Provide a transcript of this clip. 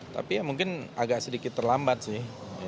tapi ya mungkin agak sedikit terlambat sih